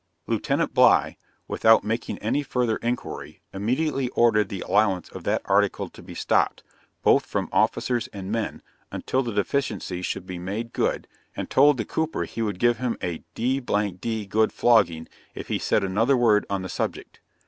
Lieutenant Bligh, without making any further inquiry, immediately ordered the allowance of that article to be stopped, both from officers and men, until the deficiency should be made good, and told the cooper he would give him a d d good flogging if he said another word on the subject.